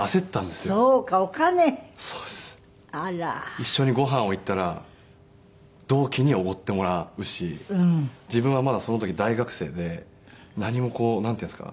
一緒にご飯を行ったら同期におごってもらうし自分はまだその時大学生で何もこうなんていうんですか。